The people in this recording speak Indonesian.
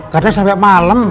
karena sampai malem